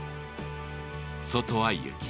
外は雪。